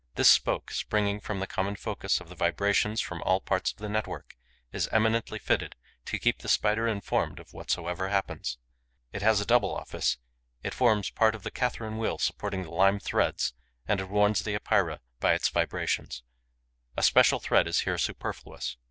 This spoke, springing from the common focus of the vibrations from all parts of the network, is eminently fitted to keep the Spider informed of whatsoever happens. It has a double office: it forms part of the Catherine wheel supporting the lime threads and it warns the Epeira by its vibrations. A special thread is here superfluous.